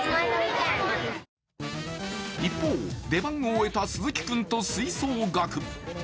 一方、出番を終えた鈴木君と吹奏楽部。